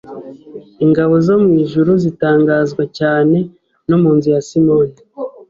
Ingabo zo mu ijuru zitangazwa cyane no Mu nzu ya Simoni